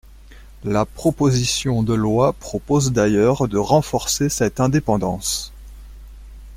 La proposition de loi propose d’ailleurs de renforcer cette indépendance.